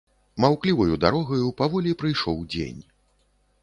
Маўкліваю дарогаю паволі прыйшоў дзень.